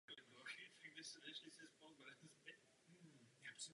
Založením této provizorní školy zaznamenala obec velký pokrok.